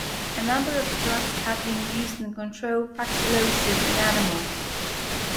A number of drugs have been used in control fasciolosis in animals.